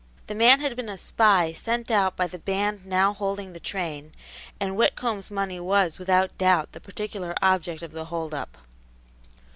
The man had been a spy sent out by the band now holding the train, and Whitcomb's money was without doubt the particular object of the hold up.